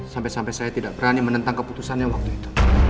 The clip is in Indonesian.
sampai sampai saya tidak berani menentang keputusannya waktu itu